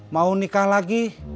mau nikah lagi